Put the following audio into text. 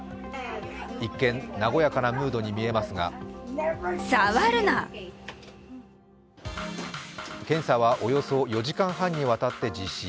一見、和やかなムードに見えますが検査はおよそ４時間半にわたって実施。